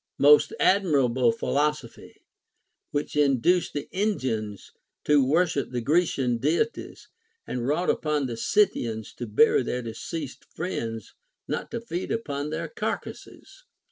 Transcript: Most admirable philosophy ! Avhich induced the Indians to worship the Grecian Deities, and wrought upon the Scythians to bury their deceased friends, not to feed upon their carcasses.